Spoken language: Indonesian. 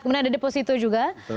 kemudian ada deposito juga